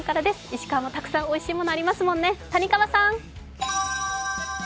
石川もたくさんおいしいものありますもんね、谷川さん。